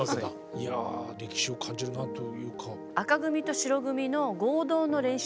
いや歴史を感じるなというか。